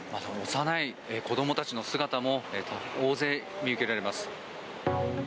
幼い子どもたちの姿も大勢見受けられます。